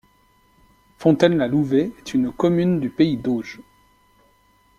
Fontaine-la-Louvet est une commune du pays d'Auge.